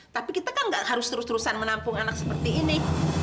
tapi kita kan gak harus terus terusan menampung anak seperti ini